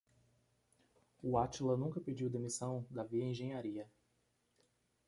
O Átila nunca pediu demissão da Via Engenharia.